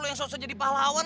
lo yang sosok jadi pahlawan